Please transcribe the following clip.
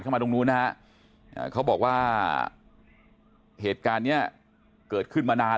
มาตรงนู้นนะฮะเขาบอกว่าเหตุการณ์เนี้ยเกิดขึ้นมานาน